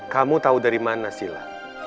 kamu tahu dari mana sila